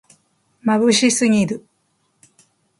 まぶしすぎる